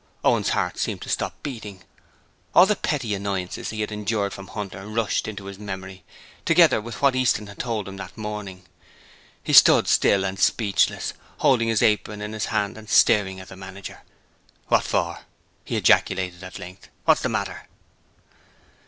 Owen's heart seemed to stop beating. All the petty annoyances he had endured from Hunter rushed into his memory, together with what Easton had told him that morning. He stood, still and speechless, holding his apron in his hand and staring at the manager. 'What for?' he ejaculated at length. 'What's the matter?'